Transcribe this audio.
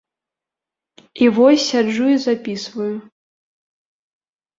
І вось сяджу і запісваю.